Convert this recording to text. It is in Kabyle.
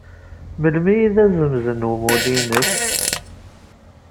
Melmi i d azemz n umulli-inek?